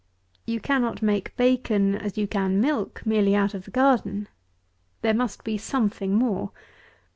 You cannot make bacon as you can milk, merely out of the garden. There must be something more.